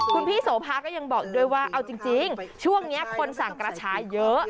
คุณพี่โสภาก็ยังบอกอีกด้วยว่าเอาจริงช่วงนี้คนสั่งกระชายเยอะ